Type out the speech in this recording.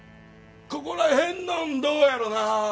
ここら辺のんどうやろな？